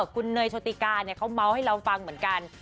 คุณเนยโชติกาเขาเมาส์ให้เราฟังเหมือนกัน